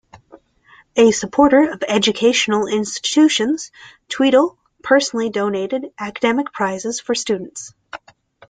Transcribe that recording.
A supporter of educational institutions, Tweedie personally donated academic prizes for students.